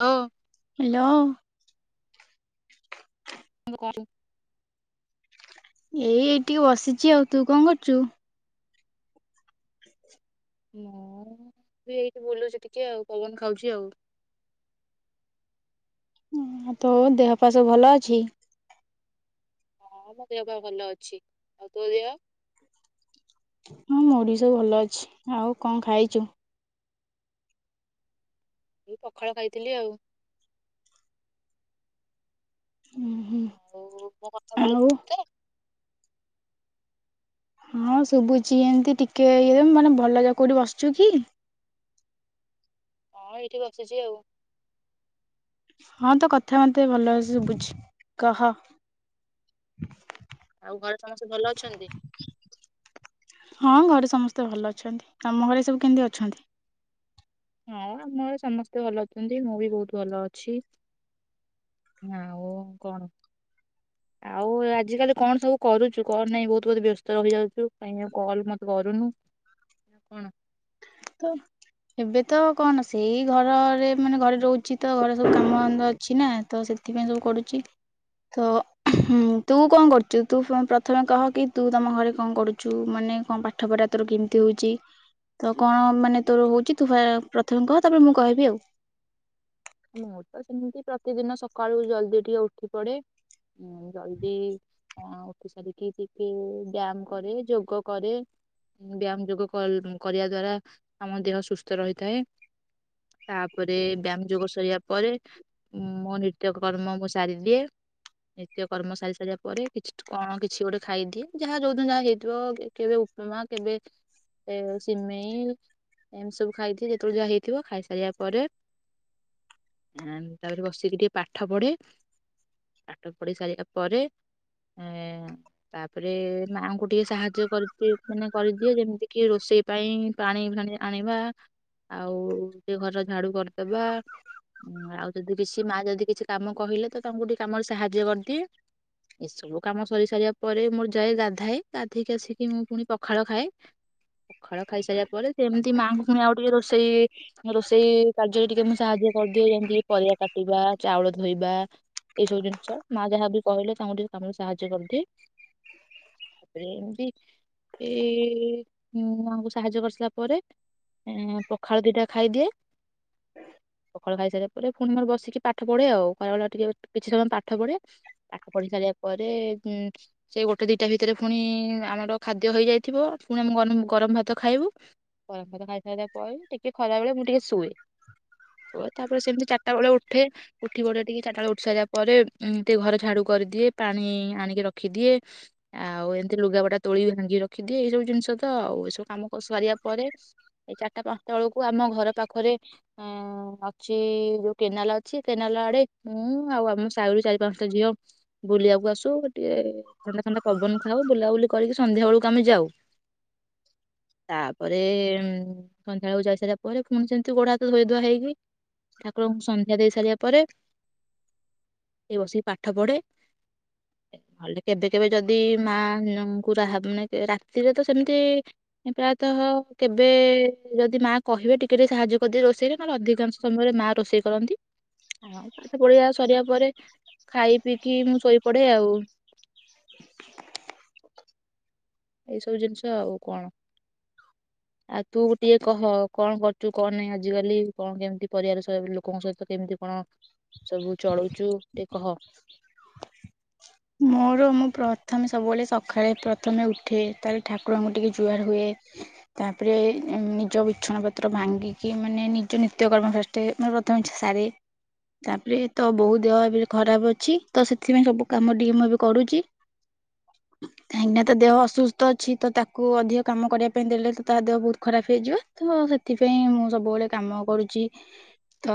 ଓ hello କର ଏଇ ଏଇ ଟିକେ ବସିଛି ଆଉ ତୁ କଣ କରୁଛୁ ମୁଁ ବି ଏଇଠି ବୁଲୁଛି ଟିକେ ଆଉ ପବନ ଖାଉଛି ଆଉ ତୋ ଦେହ ଫା ସବୁ ଭଲ ଅଛି ହଁ ମୋ ଦେହ ପା ଭଲ ଅଛି ଆଉ ତୋ ଦେହ ହଁ ମଡିଶୁ ଭଲ ଅଛି ଆଉ କଣ ଖାଇଛୁ ମୁ ପଖାଳ ଖାଇଥିଲି ଆଉ ହୁଁ ହୁଁ। ଊ ମୋ କଥା ଭଲ ଆଉ ସୁବୁଚି ତ? ହଁ ଶୁଭୁଚି ଏମତି ଟିକେ ଇଏ ମାନେ ଭଲ ଯା କୋଉଠି ବସିଚୁ କି? ହଁ ଏଇଠିି ବସିଚି ଆଉ। ହଁ ତୋ କଥା ମତେ ଭଲ ରେ ସୁବୁଚି କହ ଆଉ ଘରେ ସମସ୍ତେ ଭଲ ଅଛନ୍ତି? ହଁ ଘରେ ସମସ୍ତେ ତେ ଭଲ ଅଛନ୍ତି ତମ ଘରେ ସବୁ କେମିତି ଅଛନ୍ତି? ହଁ ଆମର ସମସ୍ତେ ଭଲ ଅଛନ୍ତି ମୁଁ ବି ବହୁତ ଭଲ ଅଛି ନାଆଉ କଣ ଆଉ ଆଜିକାଲି କଣ ସବୁ କରୁଛୁ କଣ ନାହିଁ ବହୁତ ବହୁତ ବ୍ୟସ୍ତ ରହି ଯାଉଛୁ କାହିଁ ଆଉ କଲ ମତେ କରୁନୁ କଣ? ତ ଏବେ ତ କଣ ସେଇ ଘରେରେ ମାନେ ଘରେ ରହୁଛି ତ ଘରେ ସବୁ କାମଦନ୍ଦା ଅଛି ନା ତ ସେଥିପାଇଁ ସବୁ କରୁଛି ତ ଉଁ ତୁ କଣ କରୁଛୁ ତୁ ପ୍ରଥମେ କହ କି ତୁ ତମ ଘରେ କଣ କରୁଛୁ ମାନେ କଣ ପାଠ ପଢା ତୋର କିଣତି ହଉଛି ତ କଣ ମାନେ ତୋର ହଉଛି ତୁ ଫେର ପ୍ରଥମେ କହ ତାପରେ ମୁଁ କହିବି ଆଉ। ମୁଁ ତ ସେମିତି ପ୍ରତିଦିନ ସକାଳୁ ଜଲଦି ଟିକେ ଉଠି ପଡେ ଉ ଜଲଦି ମା ଉଠି ସାରିକି ଟିକେ ବ୍ୟାୟାମ କରେ ଯୋଗ କରେ ବ୍ୟାୟାମ ଯୋଗ କ-କରିବା ଦ୍ଵାରା ଆମ ଦେହ ସୁସ୍ଥ ରହିଥାଏ। ତାପରେ ବ୍ୟାୟାମ ଯୋଗ ସୁ ସାରିବା ପରେ ମୋ ନିତ୍ୟ କର୍ମ ମୁଁ ସାରିଦିଏ ନିତ୍ୟ କର୍ମ ସାରି ସାରିବା ପରେ କିଛି କଣ କିଛି ଗୋଟେ ଖାଇଦିଏ ଯାହା ଯୋଉଦିନ ଯାହା ହେଇଥିବ କେ-କେବେ ଉପମା କେବେ ଏ ସିମେଇ ଏମିତି ସବୁ ଖାଇଦିଏ ଯେତେବେଳେ ଯାହା ହେଇଥିବ ଖାଇସାରିବା ପରେ ଆଁ ତାପରେ ବସିକି ଟିକେ ପାଠ ପଢେ ପାଠ ପଢି ସାରା ପରେ ଏ ତାପରେ ମାଙ୍କୁ ଟିକେ ସାହାଯ୍ୟ କରିିଦି ମାନେ କରିଦିଏ ଯେମିତି କିି ରୋଷେଇ ପାଇଁ ପାଣି ଫାଣି ଆଣିବା ଆଉ ଟିକେ ଘର ଝାଡୁ କରିଦବା। ଉଁ ଆଉ ଯଦି ବିଶି ମା ଯଦି କିଛି କାମ କହିଲେ ତ ତାଙ୍କୁ ଟିକେ କାମରେ ସାହାଯ୍ୟ କରିଦିଏ ଏସବୁ କାମ ସରି ସାରିବା ପରେ ମୋର ଯାଏ ଗାଧାଏ ଗାଧୋଇକି ଆସିକି ମୁଁ ପୁଣି ପଖାଳ ଖାଏ ପଖାଳ ଖାଇସାରିବା ପରେ ସେ ଏମିତି ମାଆଙ୍କୁ ପୁଣି ଆଉ ଟିକେ ରୋଷେଇ ରୋଷେଇ କାର୍ଯ୍ୟରେ ଟିକେ ମୁଁ ସାହାଯ୍ୟ ଖଦି ଯମତି ପରିବା କାଟିବା ଚାଉଳ ଧୋଇବା ଏଇସବୁ ଜିନିଷ ମା ଯାହାବି କହିଲେ ତାଙ୍କୁ ଟିକ କାମରେ ସାହାଯ୍ୟ କରିଦିଏ ତାପରେ ଏମତି ଏଁ ମାଙ୍କୁ ସାହାଯ୍ୟ କରିସାରିଲା ପରେ ପଖାଳ ଦିଟା ଖାଇଦିଏ। ପ ପଖାଳ ଖାଇସାରିଲା ପରେ ପୁଣି ମୋର ବସିକି ପାଠ ପଢ଼େ ଆଉ ଖଲାବେଳେ ଟିକେ କିଛି ସମୟ ପାଠ ପଢ଼େ ପାଠ ପଢ଼ି ସାରିଲା ପରେ ଉଁ ସେ ଗୋଟେ ଦୁଇଟା ଭିତରେ ପୁଣି ଆମର ଖାଦ୍ୟ ହେଇଯାଇଥିବ ପୁଣି ଆମେ ଗନେ ଗରମ ଭାତ ଖାଇବୁ ଗରମ ଭାତ ଖାଇସାରିଲା ପରେ ଟିକେ ଖଲାବେଳେ ମୁଁ ଟିକେ ଶୁଏ ଓ ତାପରେ ସେମିତି ଚାରିଟା ବେଳେ ଉଠେ ଉଠି ପଡ଼େ ଟିକେ ଚାରଟା ବେଳେ ଉଠି ସାରିବା ପରେ ଉଁ ଟିକେ ଘର ଝାଡ଼ୁ କରିଦିଏ ପାଣି ଆଣିକି ରଖିଦିଏ ଆଉ ଏମିତି ଲୁଗା ବଟା ତୋଳି ଭାଙ୍ଗି ରଖିଦିଏ ଏଇସବୁ ଜିନିଷ ତ ଆଉ ଏସବୁ କାମ ସାରିବା ପରେ ଏଇ ଚାରିଟା ପାଞ୍ଚଟା ବେଳକୁ ଆମ ଘର ପାଖରେ ଉଁ ଛି ଯୋଉ କେନାଲ ଅଛି କେନାଲ ଆଡେ ମୁଁ ଆଉ ଆମ ସାଇରୁ ଚାରି ପାଞ୍ଚଟା ଝିଅ ବୁଲିବାକୁ ଆସୁ ଟିକେ ଥଣ୍ଡା ଥଣ୍ଡା ପବନ ଖାଉ ବୁଲାବୁଲି କରିକି ସନ୍ଧ୍ୟା ବେଳକୁ ଆମେ ଯାଉ ତାପରେ ଉଁ ସନ୍ଧ୍ୟା ବେଳକୁ ଯାଇସାରିଲା ପରେ ପୁଣି ସେମିତି ଗୋଡ ହାତ ଧୋଇ ଧୁଆ ହେଇକି ଠାକୁରଙ୍କୁ ସନ୍ଧ୍ୟା ଦେଇ ସାରିବା ପରେ ସେ ବସିକି ପାଠ ପଢେ ନଲେ କେବେ କେବେ ଯଦି ମାଙ୍କୁ ମାନେ ରାତିରେ ତ ସେମିତି ପ୍ରାୟତଃ କେବେ ଯଦି ମା କହିବେ ଟିକେ ଟିକେ ସାହାଯ୍ୟ କରିଦିଏ ରୋଷେଇରେ ନହେଲେ ଅଧିକାଂଶ ସମୟରେ ମା ରୋଷେଇ କରନ୍ତି ଆଉ ପାଠ ପଢ଼ିଆ ସରିଆ ପରେ ଖାଇ ପିଇକି ମୁଁ ଶୋଇ ପଡେ ଆଉ। ଏଇ ସବୁ ଜିନିଷ ଆଉ କଣ ଆଉ ତୁ ଗୋଟିଏ କହ କଣ କରୁଛୁ କଣ ନାହିଁ ଆଜିକାଲି କଣ କେମିତି ପରିବାର ଲୋକଙ୍କ ସହିତ କେମିତି କଣ ସବୁ ଚଳୁଛୁ ଟିକେ କହ। ମୋର ମୁଁ ପ୍ରଥମେ ସବୁବେଳେ ସକାଳେ ପ୍ରଥମେ ଉଠେ ତାପରେ ଠାକୁରଙ୍କୁ ଟିକେ ଜୁଆର ହୁଏ ତାପରେ ଏଁ ନିଜ ବିଛଣା ପତ୍ର ଭାଙ୍ଗିକି ମାନେ ନିଜ ନିତ୍ୟକର୍ମ ଫଷ୍ଟେ ମାନ ପ୍ରଥମେ ସାରେ ତାପରେ ତ ବୋଉ ଦେହ ଏଵେ ଯଉ ଖରାପ ଅଛି ତ ସେଥିପାଇଁ ସବୁ କାମ ଟିକେ ମୁଁ ଏବେ କରୁଛି କାହିଁକିନା ତା ଦେହ ଅସୁସ୍ଥ ଅଛି ତ ତାକୁ ଅଧିକ କାମ କରିବା ପାଇଁ ଦେଲେ ତ ତା ଦେହ ବହୁତ ଖରାପ ହେଇଯିବ ତ ସେଥିପାଇଁ ମୁଁ ସବୁବେଳେ କାମ କରୁଛି ତ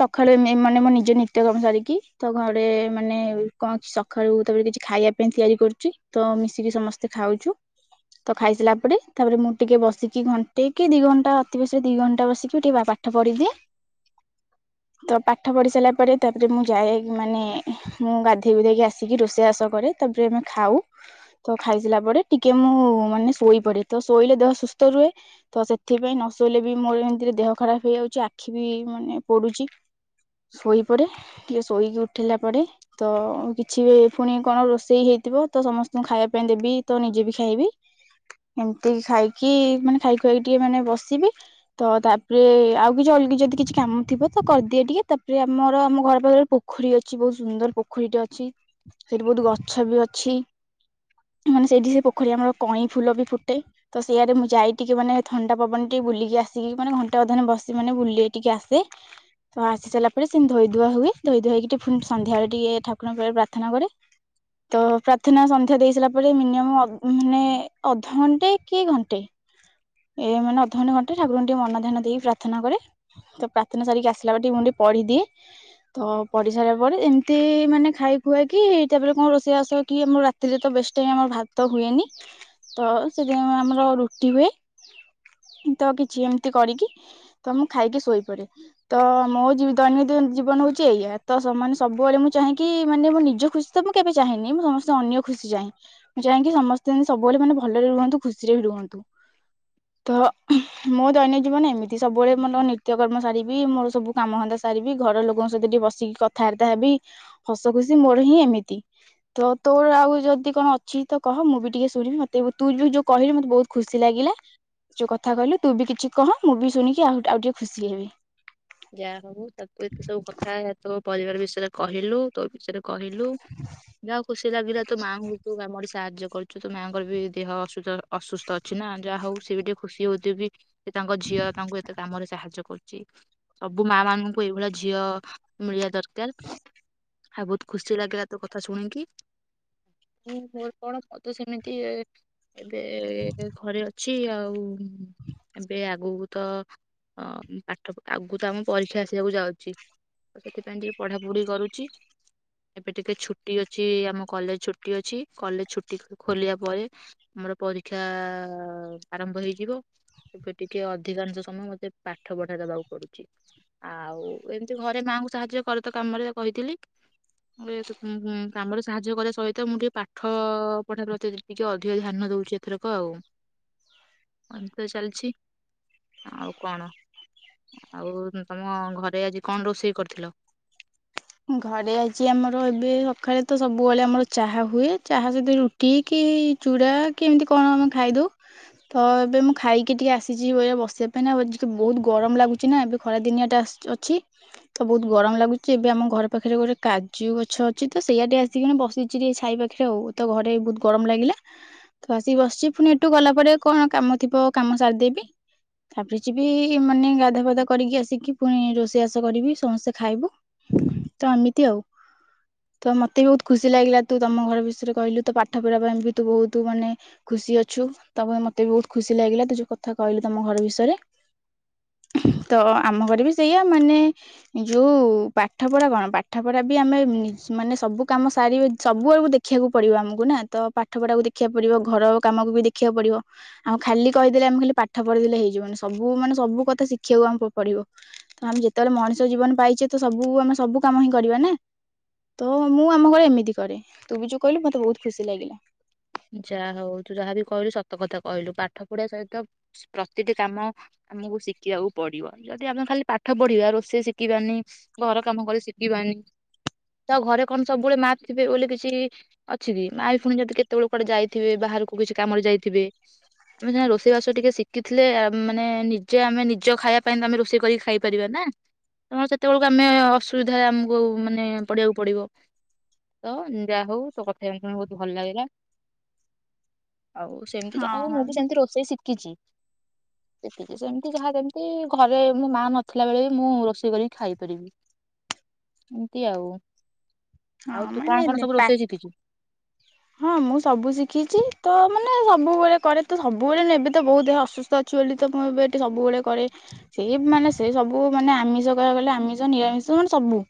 ସକାଳେ ମେ ମାନେ ମୁଁ ନିଜ ନିତ୍ୟ କାମ ସାରିକି ତ ଘରେ ମାନେ କଣ ସ ସଖାଳୁ ତାପରେ କିଛି ଖାଇବା ପାଇଁ ତିଆରି କରୁଛି ତ ମିଶିକି ସମସ୍ତେ ଖାଉଛୁ ତ ଖାଇସାରିଲା ପରେ ତାପରେ ମୁଁ ଟିକେ ବସିକି ଘଣ୍ଟେ କି ଦି ଘଣ୍ଟା ଅତି ବେଶିରେ ଦି ଘଣ୍ଟା ବସିକି ଟିକେ ପାଠ ପଢିଦିଏ ତ ପାଠ ପଢି ସାରିଲା ପରେ ତାପରେ ମୁଁ ଯାଏ ମାନେ ମୁଁ ଗାଧେଇ ଗୁଧାଇ କି ଆସ। ଆସିକି ରୋଷେଇ ବାସ କରେ ତାପରେ ଆମେ ଖାଉ ତ ଖାଇସାରିଲା ପରେ ଟିକେ ମୁଁ ମାନେ ଶୋଇ ପଡେ ତ ଶୋଇଲେ ଦେହ ସୁସ୍ଥ ରୁହେ ତ ସେଥିପାଇଁ ନ ଶୋଇଲେ ବି ମୋର ଏମିତିରେ ଦେହ ଖରାପ ହେଇଯାଉଛି ଆଖି ବି ମାନେ ପୋଡୁଛି ଶୋଇପଡେ ଟିକେ ଶୋଇକି ଉଠେଇିଲା ପରେ ତ ଅ କି କିଛି ପୁଣି କଣ ରୋଷେଇ ହେଇଥିବ ତ ସମସ୍ତଙ୍କୁ ଖାଇବା ପାଇଁ ଦେବି ତ ନିଜେ ବି ଖାଇବି ଏମିତି ଖାଇକି ମାନେ ଖାଇ ଖୁଆକି ଟିକେ ମାନେ ବସିବି ତ ତାପରେ ଆଉ କିଛି ଅଲଗି ଯଦି କିଛି କାମ ଥିବ ତ କରିଦିଏ ଟିକେ ତାପରେ ଆମର ଆମ ଘର ପାଖରେ ପୋଖରୀ ଅଛି ବହୁତ ସୁନ୍ଦର ପୋଖରୀଟେ ଅଛି। ସେଇଠି ବହୁତ ଗଛ ବି ଅଛି ମାନେ ସେଇଠି ସେ ପୋଖରୀ ଆମର କଇଁ ଫୁଲ ବି ଫୁଟେ ତ ସେଇୟାରେ ମୁଁ ଯାଇକି କି ମାନେ ଥଣ୍ଡା ପବନ ଟିକେ ବୁଲିକି ଆସିକି ମାନେ ଘଣ୍ଟା ଅଧରେ ବସି ମାନେ ବୁଲି ଟିକେ ଆସେ ତ ଆସି ସାରିଲା ପରେ ସେମି ଧୋଇ ଧୁଆ ହୁଏ ଧୋଇ ଧୁଆଇକି ଟିକେ ସନ୍ଧ୍ୟାବେଳେ ଟିକେ ଠାକୁରଙ୍କ ପାଖରେ ପ୍ରା ପ୍ରାର୍ଥନା କରେ ତ ପ୍ରାର୍ଥନା ସନ୍ଧ୍ୟା ଦେଇ ସାରିଲା ପରେ ମିନିମମ ମାନେ ଅଧଘଣ୍ଟେ କି ଘଣ୍ଟେ ଏ ମାନେ ଅଧଘଣ୍ଟେ ଘଣ୍ଟେ ଠାକୁରଙ୍କୁ ଟିକେ ମନ ଧ୍ୟାନ ଦେଇକି ପ୍ରାର୍ଥନା କରେ ତ ପ୍ରାର୍ଥନା ସାରିକି ଆସିଲା ପରେ ଟିକେ ମୁଁ ଟିକେ ପଢିଦିଏ ତ ପଢି ସାରିଲା ପରେ ଏମିତି ମାନେ ଖାଇ ହୁଏ କି ତାପରେ କଣ ରୋଷେଇ ବାସ କିଏ ମୋର ରାତିରେ ତ ବେଷ୍ଟ ଟାଇମ ଆମର ଭାତ ହୁଏନି ତ ସେଥିପାଇଁ ଆମର ରୁଟି ହୁଏ ଉଁ ତ କିଛି ଏମିତି କରିକି ତ ମୁଁ ଖାଇକି ଶୋଇପଡ଼ାରେ ତ ମୋ ଦୈନନ୍ଦିନ ଜୀବନ ହଉଛି ଏଇଆ ତ ସମାନେ ସବୁବେଳେ ମୁଁ ଚାହିଁକି ମାନେ ମୋ ନିଜ ଖୁସି ତ ମୁଁ କେବେ ଚାହିେଁନି ମୁଁ ସମସ୍ତେ ଅନ୍ୟ ଖୁସି ଚାହେଁ ମୁଁ ଚାହିଁକି ସମସ୍ତେ ସବୁବେଳେ ମାନେ ଭଲରେ ରୁହନ୍ତୁ ଖୁସିରେ ବି ରୁହନ୍ତୁ ତ ମୋ ଦୈନଜୀବନ ଏମିତି ସବୁବେଳେ ମୋର ନିତ୍ୟକର୍ମ ସାରିବି ମୋର ସବୁ କାମଧନ୍ଧା ସାରିବି ଘର ଲୋକଙ୍କ ସହିତ ଟିକେ ବସିକି କଥାବାର୍ତ୍ତା ହେବି। ହସ ଖୁସି ମୋର ହିଁ ଏମିତି ତ ତୋର ଆଉ ଯଦି କଣ ଅଛି ତ କହ ମୁଁ ବି ଟିକେ ଶୁଣିବି ମତେ ବି ତୁ ଯୋ ଯୋ ଯୋଉ କହିଲୁ ମତେ ବହୁତ ଖୁସି ଲାଗିଲା ଯୋଉ କଥା କହିଲୁ ତୁ ବି କିଛି କହ ମୁଁ ବି ଶୁଣିକି ଆହୁ ଆଉ ଟିକେ ଖୁସି ହେବି, ଯାହା ହଉ ତତ ଏତିକି ସବୁ କଥା ହେ ତୋ ପରିବାର ବିଷୟରେ କହିଲୁ ତୋ ବିଷୟରେ କହିଲୁ ଯାହା ହୋଉ ଖୁସି ଲାଗିଲା ତୋ ମାଙ୍କୁ କୋଉ କାମ ରେ ସା ସାହାଯ୍ୟ କରୁଚୁ ତୋ ମାଆଙ୍କର ବି ଦେହ ଅସୁସ ଅସୁସ୍ଥ ଅଛି ନା ଯାହା ହଉ ସିଏ ବି ଟିକେ ଖୁସି ହଉଥିବେ ବି ଯେ ତାଙ୍କ ଝିଅ ତାଙ୍କୁ ଏତେ କାମରେ ସାହାଯ୍ୟ କରୁଚି। ସବୁ ମା ମାନଙ୍କୁ ଏଇଭଳିଆ ଝିଅ ମିଳିବା ଦରକାର ଆଉ ବହୁତ ଖୁସି ଲାଗିଲା ତୋ କଥା ଶୁଣିକି ମୁଁ ମୋର କଣ ମତେ ସେମିତି ଏବେ ଘରେ ଅଛ ଅଛି ଆଉ ଏବେ ଆଗକୁ ତ ଅଁ ପାଠ ପ ଆଗକୁ ତ ଆମ ପରୀକ୍ଷା ଆସିବାକୁ ଯାଉଛି ସେଥିପାଇଁ ଟିକେ ପଢାପଢି କରୁଚି ଏବେ ଟିକେ ଛୁଟି ଅଛି ଆମ କଲେଜ ଛୁଟି ଅଛି କଲେଜ ଛୁଟି ଖୋ ଖୋଲିବା ପରେ ଆମର ପରୀକ୍ଷା ଆ ଆରମ୍ଭ ହେଇଯିବ ଏବେ ଟିକେ ଅଧିକାଂଶ ସମୟ ମତେ ପାଠ ପଢା ଦବାକୁ କରୁଚି ଆଉ ଏମିତି ଘରେ ମାଙ୍କୁ ସାହାଯ୍ୟ କରେ ତ କାମରେ କହିଥିଲି ମୁଁ କି କି ଉଁ ଉଁ କାମରେ ସାହାଯ୍ୟ କରିବା ସହିତ ମୁଁ ଟିକେ ପାଠ ପଢା ପ୍ରତି ତି ଟିକେ ଅଧିକ ଧ୍ୟାନ ଦଉଚି ଏଥରକ ଆଉ ଏମିତି ତ ଚାଲିଛି ଆଉ କଣ। ଆଉ ତମ ଘରେ ଆଜି କଣ ରୋଷେଇ କରିଥିଲ? ଘରେ ଆଜି ଆମର ଏବେ ସକାଳେ ତ ସବୁବେଳେ ଆମର ଚାହା ହୁଏ ଚାହା ସହିତ ରୁଟି କି ଚୂଡ଼ା କି ଏମିତି କଣ ଆମେ ଖାଇଦଉ ତ ଏବେ ମୁଁ ଖାଇକି ଟିକେ ଆସିଚି ବ୍ୟ ବସିବା ପାଇଁ ନା ବହୁତ ଗରମ ଲାଗୁଛି ନା ଏବେ ଖରା ଦିନିଆ ଟା ଆସ ଅଛି ତ ବହୁତ ଗରମ ଲାଗୁଚି ଏବେ ଆମ ଘର ପାଖରେ ଗୋଟେ କାଜୁ ଗଛ ଅଛି ତ ସେଇଆଡେ ଆସିକିକିନା ବସିଚି ଟିକେ ଛାଇ ପାଖରେ ଆଉ ତ ଘରେ ବହୁତ ଗରମ ଲାଗିଲା ତ ଆସିକି ବସିଚି ପୁଣି ଏଠୁ ଗଲା ପରେ କଣ କାମ ଥିବ କାମ ସାରିଦେବି ତାପରେ ଯିବି ମାନେ ଗାଧା ଫାଧା କରିକି ଆସିକି ପୁଣି ରୋଷେଇବାଷ କରିବି ସମସ୍ତେ ଖାଇବୁ। ତ ଏମିତି ଆଉ ତ ମତେ ବି ବହୁତ ଖୁସି ଲାଗିଲା ତୁ ତମ ଘର ବିଷୟରେ କହିଲୁ ତୋ ପାଠ ପଢିବା ପାଇଁ ବି ତୁ ବହୁତ ମାନେ ଖୁସି ଅଛୁ ତାପରେ ମତେ ବି ବହୁତ ଖୁସି ଲାଗିଲା ତୁ ଯୋଉ କଥା କହିଲୁ ତମ ଘର ବିଷୟରେ ତ ଆମ ଘରେ ବି ସେଇଆ ମାନେ ଯୋଉ ପାଠ ପଢା କଣ ପାଠ ପଢା ବି ଆମେ ନିଜ ମାନେ ସବୁ କାମ ସାରି ସବୁ ଆଡ଼କୁ ଦେଖିବାକୁ ପଡିବ ଆମକୁ ନା ତ ପାଠ ପଢାକୁ ଦେଖିବାକୁ ପଡିବ ଘର କାମକୁ ବି ଦେଖିବାକୁ ପଡିବ ଆଉ ଖାଲି କହିଦେଲେ ଆମେ ଖାଲି ପାଠ ପଢି ଦେଲେ ହେଇଯିବନି ସବୁ ମାନେ ସବୁ କଥା ଶିଖିବାକୁ ଆମକୁ ପଡିବ ତ ଆମେ ଯେତେବେଳେ ମଣିଷ ଜୀବନ ପାଇଛେ ତ ସବୁ ଆମେ ସବୁ କାମ ହିଁ କରିବା ନା ତ ମୁଁ ଆମ ଘରେ ଏମିତି କରେ ତୁ ବି ଯୋଉ କହିଲୁ ମତେ ବହୁତ ଖୁସି ଲାଗିଲା। ଯାହା ହଉ ତୁ ଯାହାବି କହିଲୁ ସତ କଥା କହିଲୁ ପାଠ ପଢିବା ସହିତ ସ ପ୍ରତିଟି କାମ ଆମକୁ ଶିଖିବାକୁ ପଡିବ ଯଦି ଆମେ ଖାଲି ପାଠ ପଢିବା ରୋଷେଇ ଶିଖିବାନି, ଘର କାମ କରି ଶିଖିବାନି ତ ଘରେ କଣ ସବୁବେଳେ ମା ଥିବେ ବୋଲି କିଛି ଅଛି କି ମା ବି ଫୁଣି ଯଦି କେ କେତେବେଳ କୁଆଡ଼େ ଯାଇଥିବେ ବାହାରକୁ କିଛି କାମରେ ଯାଇଥିବେ, ଆମେ ସିନା ରୋଷେଇବାସ ଟିକେ ଶିଖିଥିଲେ ଆ ମାନେ ନିଜେ ଆମେ ନିଜ ଖାଇବା ପାଇଁ ତ ଆମେ ରୋଷେଇ କରିକି ଖାଇପାରିବା ନା, ନହେ ସେତେବେଳକୁ ଆମେ ଅସୁବିଧା ଆମକୁ ମାନେ ପଡ଼ିବାକୁ ପଡ଼ିବ ତ ଯାହା ହଉ ତ କଥା ଶୁଣି ବହୁତ ଭଲ ଲାଗିଲା। ଆଉ ସେମିତି ତ ଆଉ ହଁ ମୁଁ ବି ସେମିତି ରୋଷେଇ ଶିଖି କିଚି ଶିକିଚି ସେମତି ଯାହା ଯେମତି। ଏନ୍ତି, ଘରେ ମୋ ମା ନଥିଲା ବେଳେ ବି ମୁଁ ରୋଷେଇ କରିକି ଖାଇପାରିବି। ଏମିତି ଆଉ। ହଁ ଆଉ ତୁ ମାନେ କଣ କଣ ସବୁ ପା ରୋଷେଇ ଶିକିଚୁ? ହଁ ମୁଁ ସବୁ ଶିଖିଛି। ତ ମାନେ ସବୁବେଳେ କରେ ତ ସବୁବେଳେ ନୁହଁ, ଏବେ ତ ବୋଉ ଦେହ ଅସୁସ୍ଥ ଅଛି ବୋଲି ତ ମୁଁ ଏବେ ଏଠି ସବୁବେଳେ କରେ। ସେଇ ମାନେ ସେଇ ସବୁ ମାନେ ଆମିଷ କହିଆକୁ ଗଲେ ଆମିଷ ନିରାମିଷ ମାନେ ସବୁ।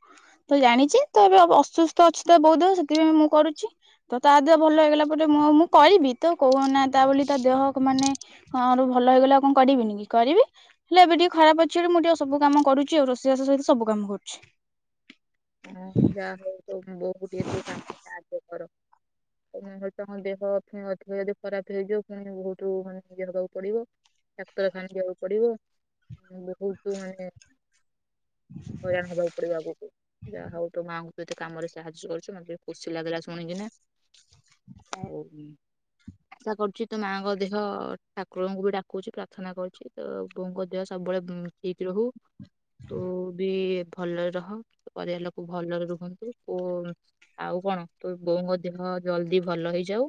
ତ ଜାଣିଚି ତ ଏବେ ଅ-ଅସୁସ୍ଥ ଅଛି ତ ବୋଉ ଦେହ ସେଥିପାଇଁ ମୁଁ କରୁଚି ତ ତା ଦେହ ଭଲ ହେଇଗଲା ପରେ ମୁଁ ଆଉ ମୁଁ କଇବି, ତ କଉ ଅନା ତା ବୋଲି ତା ଦେହ ମାନେ ଆରୁ ଭଲ ହେଇଗଲେ ଆଉ କଣ କରିବିିନି କି କରିବି, ହେଲେ ଏବେ ଟିକେ ଖରାପ ଅଛି ବିଲି ମୁଁ ଟିକେ ସବୁ କାମ କରୁଛି ଆଉ, ରୋଷେଇ ବାସ ସହିତ ସବୁ କାମ କରୁଛି। ହଁ। ଯାହଉ ତୋ ବୋଉକୁ ଟିକେ ତୁ କାମରେ ସାହାଯ୍ୟ କର। ହଁ ମୁଁ କହିଲି ତମ ଦେହ ଫୁଣି ଅଧିକ ଯଦି ଖରାପ ହେଇଯିବ, ଫୁଣି ବହୁତ ମାନେ ଇଏ ହେବାକୁ ପଡିବ, ଡାକ୍ତରଖାନା ଯିବାକୁ ପଡିବ, ବହୁତୁ ମାନେ ହଇରାଣ ହବାକୁ ପଡିବ ଆଗୁକୁ। ଯାହଉ ତୋ ମାଆଙ୍କୁ ତୁ ଏତେ କାମରେ ସାହାଯ୍ୟ କରୁଚୁ, ମତେ ଟିକେ ଖୁସି ଲାଗିଲା ଶୁଣିକିନା। ଆଉ ଆଶା କରୁଛି, ତୋ ମାଆଙ୍କ ଦେହ ଠାକୁରଙ୍କୁ ବି ଡାକୁଚି, ପ୍ରାର୍ଥନା କରୁଚି, ତୋ ବୋଉଙ୍କ ଦେହ ସବୁବେଳେ ଠିକ ରହୁ, ତୁ ବି ଭଲରେ ରହ ପରିବାର ଲୋକ ଭଲରେ ରୁହନ୍ତୁ ଓ ଆଉ କଣ ତୋ ବୋଉଙ୍କ ଦେହ ଜଲଦି ଭଲ ହେଇଯାଉ,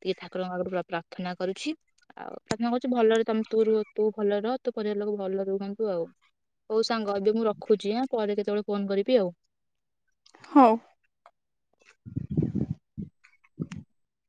ଟିକେ ଠାକୁରଙ୍କ ଆଗୁରୁ ପ୍ରା-ପ୍ରାର୍ଥନା କରୁଛି, ଆଉ ପ୍ରାର୍ଥନା କରୁଚି ଭଲରେ ତମେ ତୁ ରହ ତୁ ଭଲରେ ରହ, ତୋ ପରିବାର ଲୋକ ଭଲରେ ରୁହନ୍ତୁ ଆଉ। ହଉ ସାଙ୍ଗ ଏବେ ମୁଁ ରଖୁଛି ଆଁ, ପରେ କେତେବେଳେ ଫୋନ୍ କରିବି ଆଉ। ହଉ।